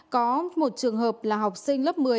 có một trường hợp là học sinh lớp một mươi